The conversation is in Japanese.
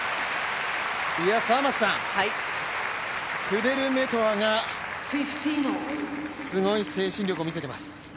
クデルメトワがすごい精神力を見せてます。